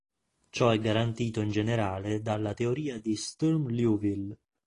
Ciò è garantito in generale dalla teoria di Sturm-Liouville.